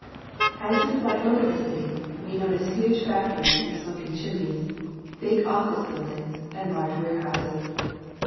As we fly over the city, we notice huge factories with .smoking chimneys, big office buildings, and large warehouses.